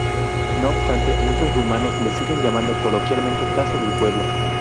No obstante, muchos rumanos lo siguen llamando coloquialmente "Casa del pueblo".